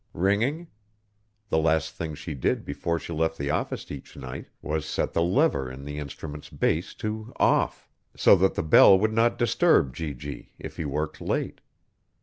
Ringing? The last thing she did before she left the office each night was set the lever in the instrument's base to "off," so that the bell would not disturb G.G. if he worked late.